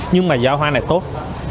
nhưng mà giá hoa này tốt